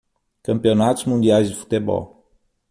Campeonatos mundiais de futebol.